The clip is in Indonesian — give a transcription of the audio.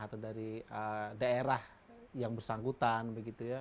atau dari daerah yang bersangkutan begitu ya